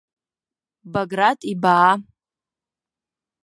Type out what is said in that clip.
Баграт ибаа.